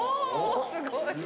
すごい。